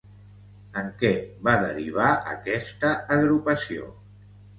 En què va derivar aquesta agrupació?